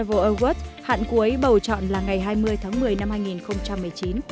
và truy cập vào trang web world travel award hạn cuối bầu chọn là ngày hai mươi tháng một mươi năm hai nghìn một mươi chín